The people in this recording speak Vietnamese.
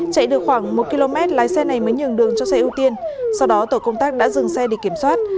chạy được khoảng một km lái xe này mới nhường đường cho xe ưu tiên sau đó tổ công tác đã dừng xe để kiểm soát